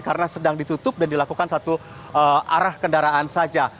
karena sedang ditutup dan dilakukan satu arah kendaraan saja